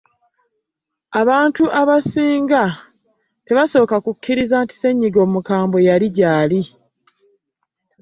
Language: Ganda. abantu abasinga tebasooka kukiriza nti ssenyiga omukambwe yali gyali.